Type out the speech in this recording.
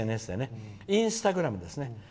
インスタグラムですね。